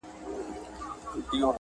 داغه یوه عقیده مو ده